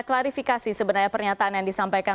klarifikasi sebenarnya pernyataan yang disampaikan